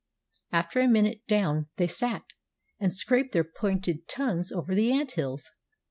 After a minute down they sat, and scraped their pointed tongues over the ant hills.